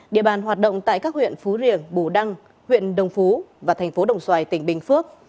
địa bàn hoạt động tại các huyện phú riềng bù đăng huyện đồng phú và thành phố đồng xoài tỉnh bình phước